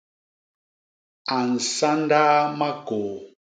A nsandaa makôô.